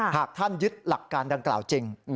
หากท่านยึดหลักการดังกล่าวจริง